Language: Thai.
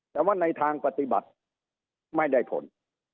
แต่ว่าในทางปฏิบัติไม่ได้ผล